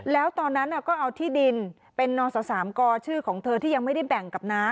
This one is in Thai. แล้วตอนนั้นก็เอาที่ดินเป็นนศ๓กชื่อของเธอที่ยังไม่ได้แบ่งกับน้า